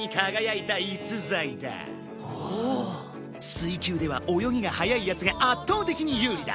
水球では泳ぎが速い奴が圧倒的に有利だ。